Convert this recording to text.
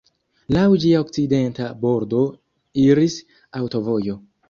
Laŭ ĝia okcidenta bordo iris aŭtovojo.